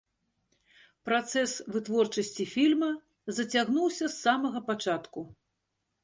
Працэс вытворчасці фільма зацягнуўся з самага пачатку.